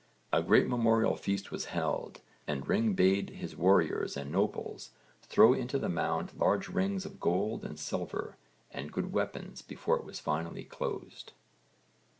A great memorial feast was held, and Ring bade his warriors and nobles throw into the mound large rings of gold and silver and good weapons before it was finally closed.